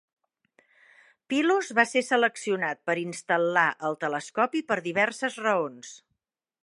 Pylos va ser seleccionat per instal·lar el telescopi per diverses raons.